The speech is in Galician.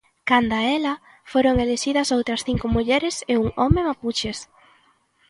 Canda a ela, foron elixidas outras cinco mulleres e un home mapuches.